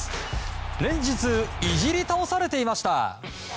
連日、いじり倒されていました。